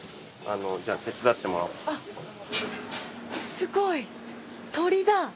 すごい！鳥だ。